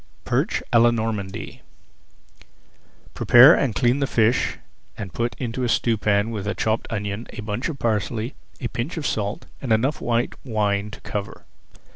PERCH À LA NORMANDY Prepare and clean the fish and put into a stewpan with a chopped onion, a bunch of parsley, a pinch of salt, and enough white wine to cover.